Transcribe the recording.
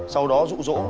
sau đó rủ rỗ